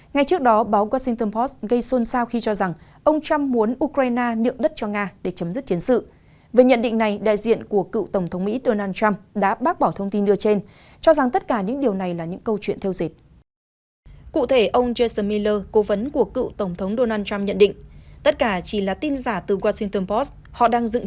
ngay trước đó báo washington post gây xôn xao khi cho rằng ông trump muốn ukraine nược đất trọng